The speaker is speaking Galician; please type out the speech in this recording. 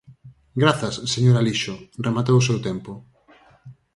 Grazas, señor Alixo, rematou o seu tempo.